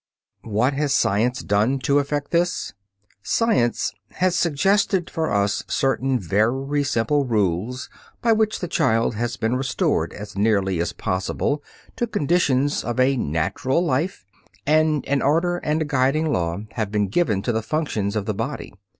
What has science done to effect this? Science has suggested for us certain very simple rules by which the child has been restored as nearly as possible to conditions of a natural life, and an order and a guiding law have been given to the functions of the body.